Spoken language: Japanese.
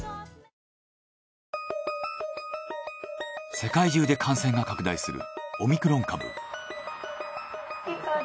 世界中で感染が拡大するオミクロン株。